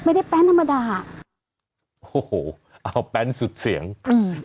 ไม่ได้แปนธรรมดาโอ้โหเอาแปนสุดเสียงอืม